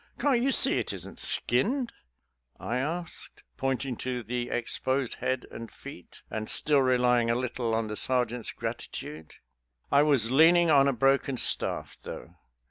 "Can't you see it isn't skinned?" I asked, pointing to the exposed head and feet, and still relying a little on the sergeant's gratitude. I was leaning on a broken staff, though.